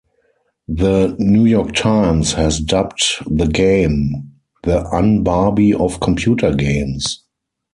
The "New York Times" has dubbed the game the "Un-Barbie of computer games".